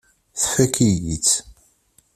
Tfakk-iyi-tt.